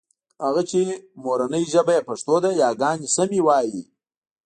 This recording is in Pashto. هغوی چې مورنۍ ژبه يې پښتو ده یاګانې سمې وايي